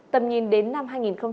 tầm nhìn đến năm hai nghìn hai mươi